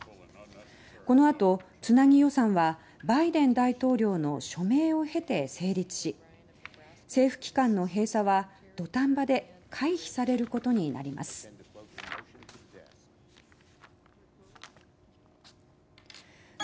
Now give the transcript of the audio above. この後、つなぎ予算はバイデン大統領の署名を経て成立し政府機関の閉鎖は土壇場で回避されることになりますって。